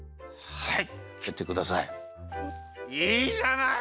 はい！